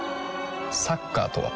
サッカーとは？